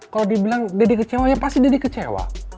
kalo dibilang daddy kecewa ya pasti daddy kecewa